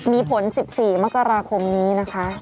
มีผล๑๔มกราคมนี้นะคะ